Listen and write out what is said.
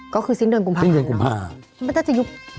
ก็คือสิ้นเดือนคุมภาพ